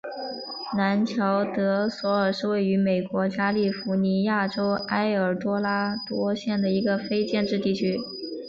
兰乔德索尔是位于美国加利福尼亚州埃尔多拉多县的一个非建制地区。